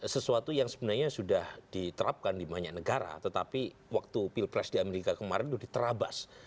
sesuatu yang sebenarnya sudah diterapkan di banyak negara tetapi waktu pilpres di amerika kemarin itu diterabas